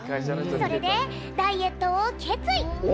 それでダイエットを決意！